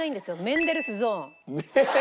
メンデルスゾーン。